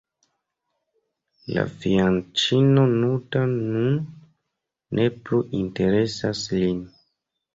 La fianĉino nuda nun ne plu interesas lin.